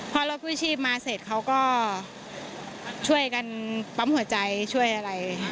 พอรถกู้ชีพมาเสร็จเขาก็ช่วยกันปั๊มหัวใจช่วยอะไร